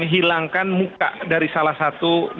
menghilangkan muka dari salah satu negara